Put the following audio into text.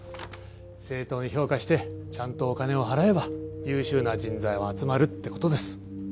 正当に評価してちゃんとお金を払えば優秀な人材は集まるって事です。